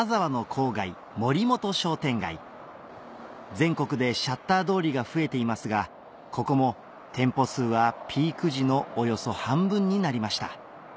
全国でシャッター通りが増えていますがここも店舗数はピーク時のおよそ半分になりました